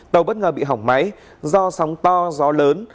tàu bất ngờ bị hỏng máy do sóng to gió lớn